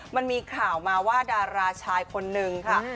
มันมีข่าวมาว่าดาราชายคนนึงค่ะ